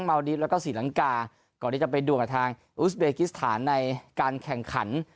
ดีฟแล้วก็ศรีลังกาก่อนที่จะไปด่วงกับทางอุสเบกิสถานในการแข่งขัน